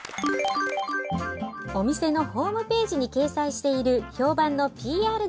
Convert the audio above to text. お店のホームページに掲載している評判のＰＲ動画。